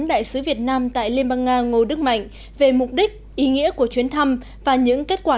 đại sứ việt nam tại liên bang nga ngô đức mạnh về mục đích ý nghĩa của chuyến thăm và những kết quả